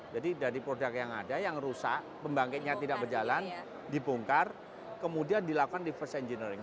jadi dari produk yang ada yang rusak pembangkitnya tidak berjalan dipungkar kemudian dilakukan reverse engineering